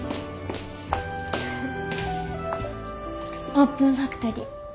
オープンファクトリー